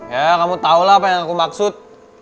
ya kamu tahu lah apa yang aku maksud